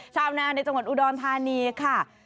ชาวนาในจังหวัดอุดรธานีค่ะ